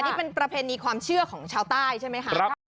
นี่เป็นประเพณีความเชื่อของชาวใต้ใช่ไหมคะ